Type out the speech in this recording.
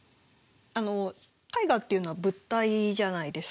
あの絵画っていうのは物体じゃないですか。